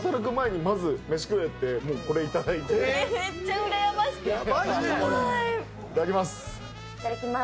いただきます。